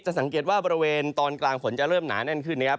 สังเกตว่าบริเวณตอนกลางฝนจะเริ่มหนาแน่นขึ้นนะครับ